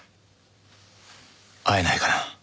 会えないかな？